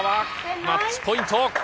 マッチポイント。